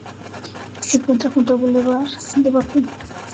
Se encuentra junto al bulevar de Bakú.